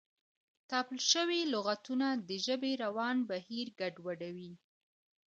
تپل شوي لغتونه د ژبې روان بهیر ګډوډوي.